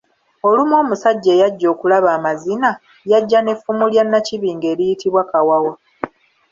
Olumu omusajja eyajja okulaba amazina, yajja n'effumu lya Nnakibinge eriyitibwa Kawawa.